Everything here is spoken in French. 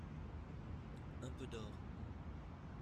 Un peu d’or.